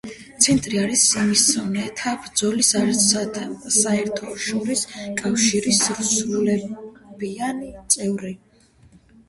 ცენტრი არის სიმსივნესთან ბრძოლის საერთაშორისო კავშირის სრულუფლებიანი წევრი.